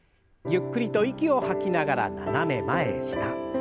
ゆっくりと息を吐きながら斜め前下。